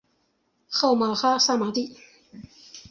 号玛哈萨嘛谛。